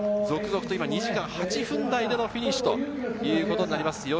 続々と今、２時間８分台でのフィニッシュということになります。